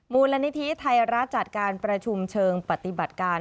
มูลนิธิไทยรัฐจัดการประชุมเชิงปฏิบัติการ